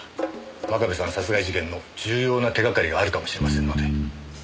真壁さん殺害事件の重要な手がかりがあるかもしれませんので。